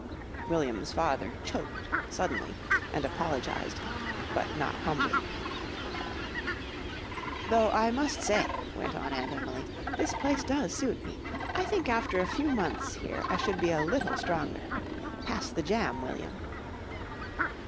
William's father choked suddenly and apologised, but not humbly. "Though I must say," went on Aunt Emily, "this place does suit me. I think after a few months here I should be a little stronger. Pass the jam, William."